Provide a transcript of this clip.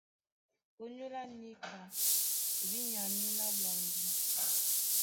ÓnyÓlá níka e bí nya mǐlá ɓwambí?